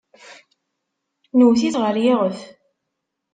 Nwet-it ɣer yiɣef.